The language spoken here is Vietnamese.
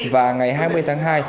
và ngày hai mươi tháng hai